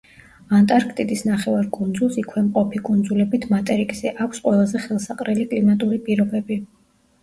ანტარქტიდის ნახევარკუნძულს იქვე მყოფი კუნძულებით მატერიკზე აქვს ყველაზე ხელსაყრელი კლიმატური პირობები.